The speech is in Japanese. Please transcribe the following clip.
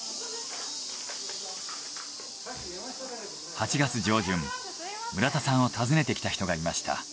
８月上旬村田さんを訪ねてきた人がいました。